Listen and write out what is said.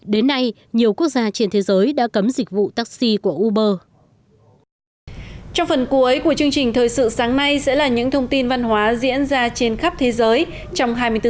đến nay nhiều quốc gia trên thế giới đã cấm dịch vụ taxi của uber